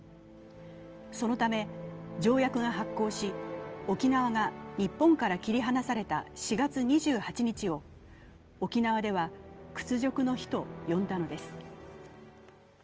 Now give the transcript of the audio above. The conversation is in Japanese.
そのため、条約が発効し、沖縄が日本から切り離された４月２８日を沖縄では屈辱の日と呼んだのです。